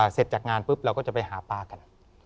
เสร็จจากงานปุ๊บเราก็จะไปหาปลากัน